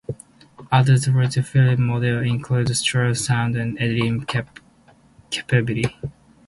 Other, rarer Philips models included stereo sound and editing capabilities.